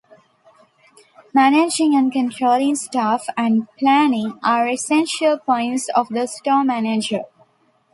Managing and controlling staff, and planning are essential points of the store manager.